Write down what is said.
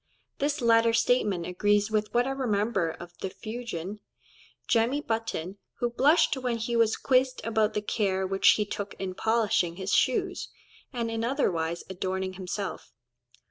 This latter statement agrees with what I remember of the Fuegian, Jemmy Button, who blushed when he was quizzed about the care which he took in polishing his shoes, and in otherwise adorning himself.